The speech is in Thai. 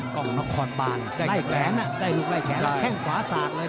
กล้องนครบานได้ลูกไหล้แขนแค่งขวาสากเลย